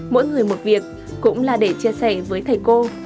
mỗi người một việc cũng là để chia sẻ với thầy cô